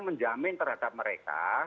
menjamin terhadap mereka